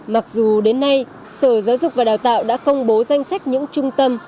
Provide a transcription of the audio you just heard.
mặc dù đến nay sở giáo dục và đào tạo đã công bố danh sách những trung tâm